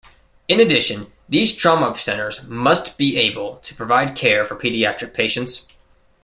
In addition, these trauma centers must be able to provide care for pediatric patients.